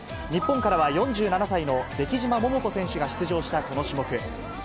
日本からは４７歳の出来島桃子選手が出場したこの種目。